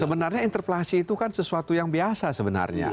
sebenarnya interpelasi itu kan sesuatu yang biasa sebenarnya